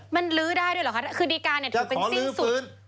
มันลื้อได้ด้วยเหรอคะถ้าคือดีการถือเป็นสิ้นสุดจะขอลื้อฟื้น